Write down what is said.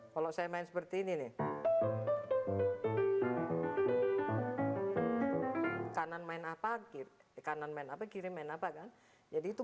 kalau saya main seperti ini nih kanan main apa kiri kanan main apa kiriman apa kan jadi itu